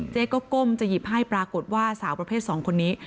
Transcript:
เจ๊ก็ก้มจะหยิบให้ปรากฏว่าสาวประเภท๒คนนี้